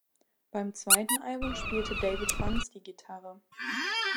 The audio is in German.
Beim zweiten Album spielte David Bunce die Gitarre.